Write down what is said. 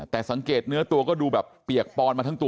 แต่สังเกตเนื้อตัวก็ดูแบบเปียกปอนมาทั้งตัว